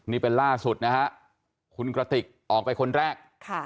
นี่เป็นล่าสุดนะฮะคุณกระติกออกไปคนแรก